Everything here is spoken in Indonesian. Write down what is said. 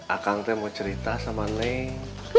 akang tuh mau cerita sama neng